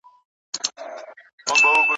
جانانه شپه د بېلتانه مي بې تا نه تېرېږي